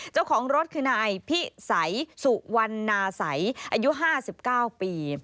เจ้าของรถคือนายพิสัยสุวรรณาสัยอายุ๕๙ปี